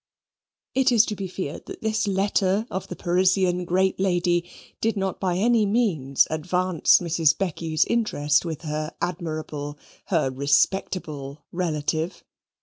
It is to be feared that this letter of the Parisian great lady did not by any means advance Mrs. Becky's interest with her admirable, her respectable, relative.